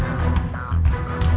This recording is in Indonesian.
dan aku akan ke sana